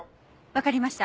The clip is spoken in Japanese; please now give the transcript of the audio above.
わかりました。